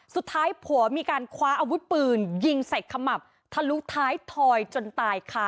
สุดท้ายผัวมีการคว้าอาวุธปืนยิงใส่ขมับทะลุท้ายทอยจนตายค่ะ